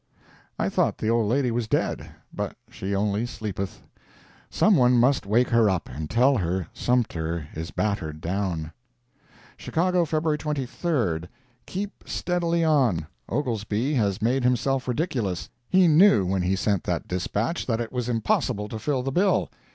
I thought the old lady was dead. But she only sleepeth. Someone must wake her up, and tell her Sumter is battered down. Chicago, Feb. 23. Keep steadily on. Oglesby has made himself ridiculous. He knew when he sent that dispatch that it was impossible to fill the bill.